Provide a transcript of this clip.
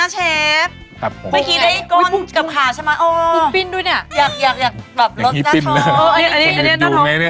เฉฟเชฟน้าท้องเป็นราบตรงนี้